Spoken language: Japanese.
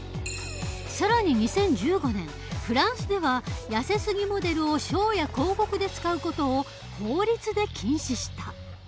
更に２０１５年フランスではやせすぎモデルをショーや広告で使う事を法律で禁止した。